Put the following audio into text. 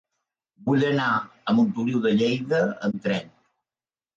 Vull anar a Montoliu de Lleida amb tren.